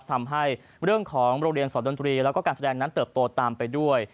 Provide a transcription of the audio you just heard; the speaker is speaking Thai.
ทำให้เรื่องของโรงเรียนสอนดนตรีแล้วก็การแสดงนั้นเติบโตตามไปด้วย